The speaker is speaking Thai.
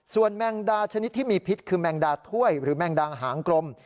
ส่วนแมงดาชนิดที่มีพิษคือแมงดาถ้วยหรือแมงดางหางกลม